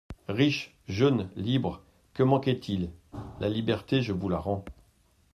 Riche, jeune, libre, que manquait-il ? La liberté, je vous la rends.